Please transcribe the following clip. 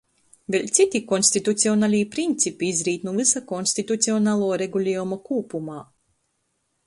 Vēļ cyti konstitucionalī principi izrīt nu vysa konstitucionaluo reguliejuma kūpumā.